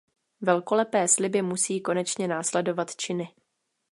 Velkolepé sliby musí konečně následovat činy.